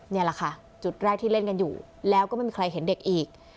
นี่แหละค่ะจุดแรกที่เล่นกันอยู่แล้วก็ไม่มีใครเห็นเด็กอีก